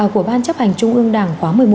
của ban chấp hành trung ương đảng khóa một mươi một